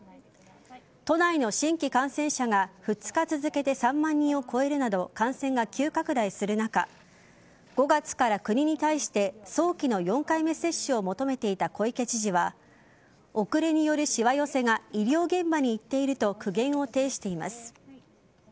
都内の新規感染者が２日続けて３万人を超えるなど感染が急拡大する中５月から国に対して早期の４回目接種を求めていた小池知事は遅れによるしわ寄せが医療現場に行っていると苦言を呈しています。